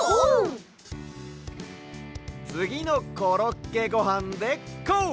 つぎの「コロッケごはん」でこう！